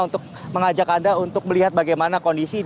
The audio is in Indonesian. untuk mengajak anda untuk melihat bagaimana kondisi